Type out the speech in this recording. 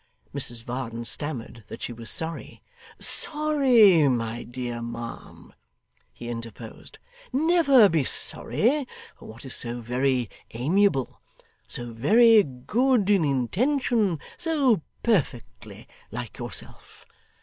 Mrs Varden stammered that she was sorry 'Sorry, my dear ma'am,' he interposed. 'Never be sorry for what is so very amiable, so very good in intention, so perfectly like yourself.